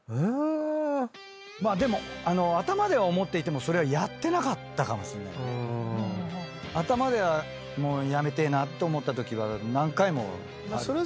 まあでも頭では思っていてもそれはやってなかったかもしんないよね。と思ったときは何回もある。